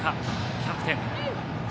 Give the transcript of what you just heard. キャプテン。